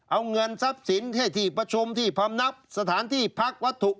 เอาเงินทรัพย์สินให้ที่ประชุมที่พำนับสถานที่พักวัตถุ